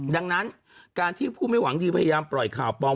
ดังนั้นการที่ผู้ไม่หวังดีพยายามปล่อยข่าวปลอม